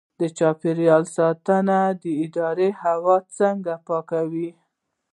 د چاپیریال ساتنې اداره هوا څنګه پاکوي؟